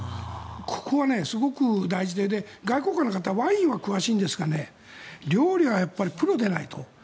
ここはすごく大事で外交官の方ワインは詳しいんですが料理はプロでないと。